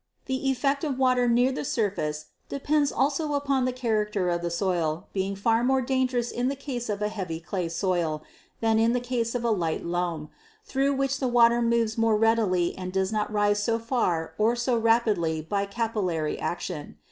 The effect of water near the surface depends also upon the character of the soil, being far more dangerous in the case of a heavy clay soil than in the case of a light loam, through which water moves more readily and does not rise so far or so rapidly by capillary action.